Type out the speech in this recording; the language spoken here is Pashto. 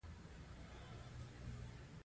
دا په تحلیل او ډیزاین کې مرسته کوي.